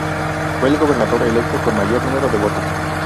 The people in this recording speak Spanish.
Fue el gobernador electo con mayor número de votos.